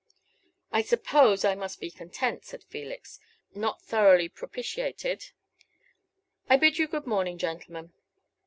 "I suppose I must be content," said Felix, not thoroughly propitiated. "I bid you good morning, gentlemen."